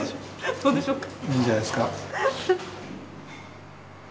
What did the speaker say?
どうでしょうか。